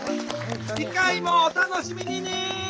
次回もお楽しみに！